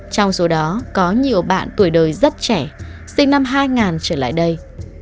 trong số đó có nhiều bạn tuổi đời rất trẻ sinh năm hai nghìn trở lại đây